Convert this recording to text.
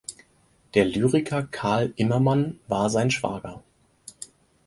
Der Lyriker Karl Immermann war sein Schwager.